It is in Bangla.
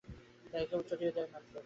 তাঁকে কেবল চটিয়ে দেয় মাত্র।